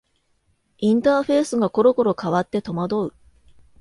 インターフェースがころころ変わって戸惑う